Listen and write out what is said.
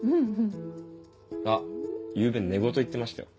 あっ昨夜寝言言ってましたよ。